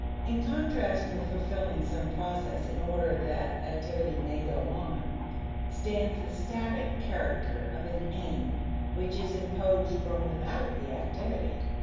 In contrast with fulfilling some process in order that activity may go on, stands the static character of an end which is imposed from without the activity.